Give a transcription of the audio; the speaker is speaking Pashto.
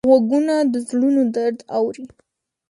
غوږونه د زړونو درد اوري